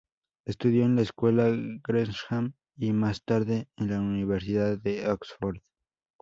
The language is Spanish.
Estudió en la Escuela Gresham y más tarde en la Universidad de Oxford.